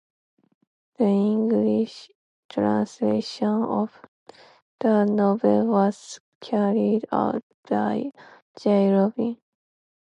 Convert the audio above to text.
The English translation of the novel was carried out by Jay Rubin.